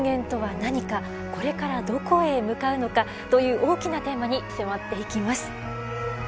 「これからどこへ向かうのか」という大きなテーマに迫っていきます。